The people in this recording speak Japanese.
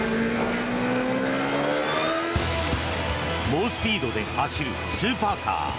猛スピードで走るスーパーカー。